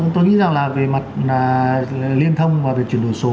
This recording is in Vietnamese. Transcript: tôi nghĩ rằng là về mặt liên thông và về chuyển đổi số